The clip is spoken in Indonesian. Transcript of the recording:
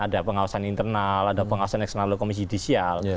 ada pengawasan internal ada pengawasan eksternal ada komisi jidisial